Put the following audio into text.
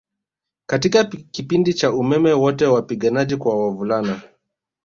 Katika kipindi cha ukame wote wapiganaji kwa wavulana